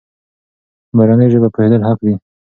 په مورنۍ ژبه پوهېدل حق دی.